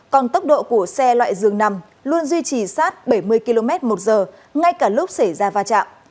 còn tốc độ của xe loại dường nằm luôn duy trì sát bảy mươi km một giờ ngay cả lúc xảy ra va chạm